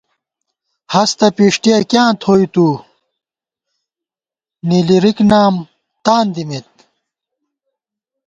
ہستہ پِݭٹِیَہ کیاں تھوئی تُوؤ، نِلی رِکنام تان دِمېت